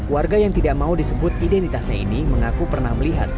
warga yang tidak mau disebut identitasnya ini mengaku pernah melihat